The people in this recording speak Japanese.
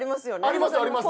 ありますあります。